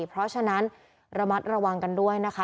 เพราะฉะนั้นระมัดระวังกันด้วยนะคะ